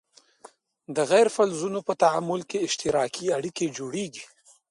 د غیر فلزونو په تعامل کې اشتراکي اړیکې جوړیږي.